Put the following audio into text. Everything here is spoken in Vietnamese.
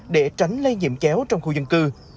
để tránh lây nhiễm chéo trong khu dân cư